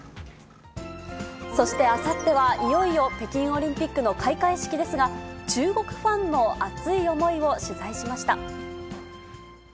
そしてあさってはいよいよ北京オリンピックの開会式ですが、中国ファンの熱い思いを取材しました。